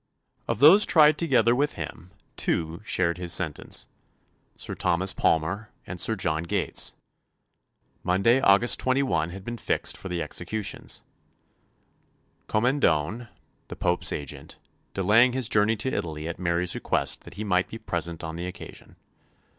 Of those tried together with him, two shared his sentence Sir Thomas Palmer and Sir John Gates. Monday, August 21, had been fixed for the executions, Commendone, the Pope's agent, delaying his journey to Italy at Mary's request that he might be present on the occasion.